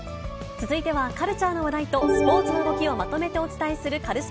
続いては、カルチャーの話題とスポーツの動きをまとめてお伝えする、カルス